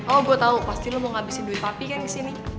oh gue tau pasti lo mau ngabisin duit papi kan disini